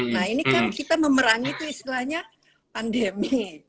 nah ini kan kita memerangi itu istilahnya pandemi